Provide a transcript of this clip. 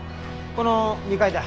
この２階だ。